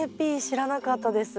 知らなかったです。